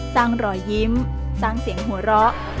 รอยยิ้มสร้างเสียงหัวเราะ